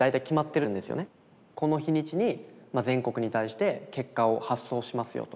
この日にちに全国に対して結果を発送しますよと。